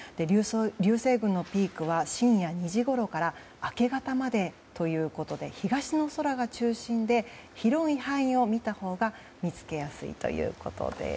流星群のピークは深夜２時ごろから明け方までということで東の空が中心で広い範囲を見たほうが見つけやすいということです。